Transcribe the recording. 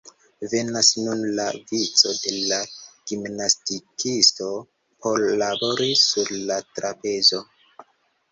Venas nun la vico de la gimnastikisto por "labori" sur la trapezo.